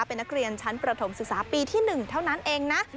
เป็นนักเรียนชั้นประถมศึกษาปีที่๑เท่านั้นเองนะ